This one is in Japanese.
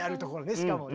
しかもね。